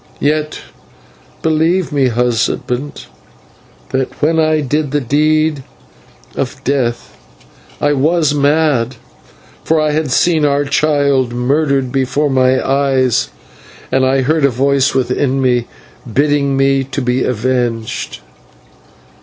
Yet, believe me, husband, that when I did the deed of death, I was mad, for I had seen our child murdered before my eyes and I heard a voice within me bidding me to be avenged.